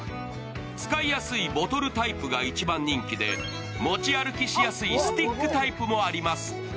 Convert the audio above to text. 使いやすいボトルタイプが一番人気で、持ち歩きしやすいスティックタイプもあります。